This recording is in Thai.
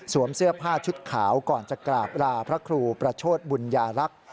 เสื้อผ้าชุดขาวก่อนจะกราบราพระครูประโชธบุญญาลักษณ์